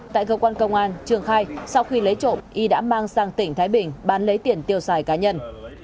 tại cơ quan công an trường khai sau khi lấy trộm y đã mang sang tỉnh thái bình bán lấy tiền tiêu xài cá nhân